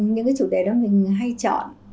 những cái chủ đề đó mình hay chọn